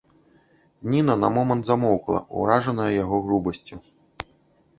Ніна на момант замоўкла, уражаная яго грубасцю.